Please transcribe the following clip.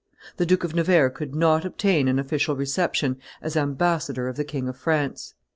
The Duke of Nevers could not obtain an official reception as ambassador of the King of France.